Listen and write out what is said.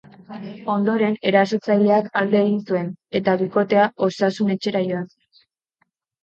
Ondoren, erasotzaileak alde egin zuen, eta bikotea osasun etxera joan zen.